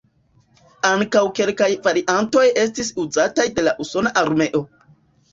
Ankaŭ kelkaj variantoj estis uzitaj de la Usona Armeo.